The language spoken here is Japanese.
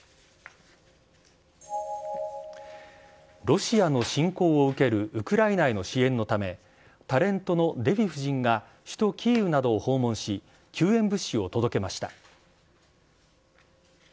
ロシアの侵攻を受けるウクライナへの支援のため、タレントのデヴィ夫人が首都キーウなどを訪問し、救援物資を届けました。